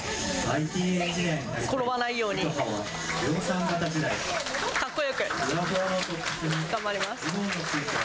転ばないように、かっこよく頑張ります。